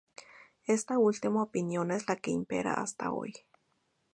Esta última opinión es la que impera hasta hoy.